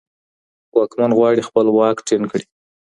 واکمن غواړي خپل واک ټینګ کړي.